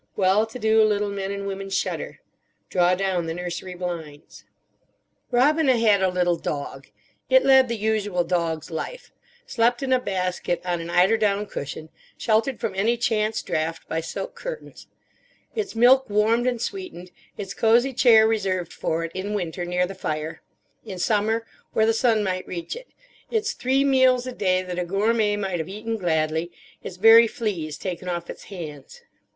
Well to do little men and women shudder. Draw down the nursery blinds. Robina had a little dog. It led the usual dog's life: slept in a basket on an eiderdown cushion, sheltered from any chance draught by silk curtains; its milk warmed and sweetened; its cosy chair reserved for it, in winter, near the fire; in summer, where the sun might reach it; its three meals a day that a gourmet might have eaten gladly; its very fleas taken off its hands.